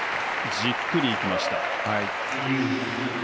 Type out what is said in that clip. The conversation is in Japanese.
じっくりいきました。